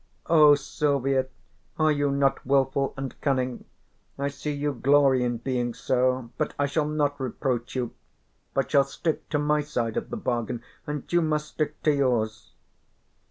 "Oh, Silvia, are you not wilful and cunning? I see you glory in being so, but I shall not reproach you but shall stick to my side of the bargain, and you must stick to yours."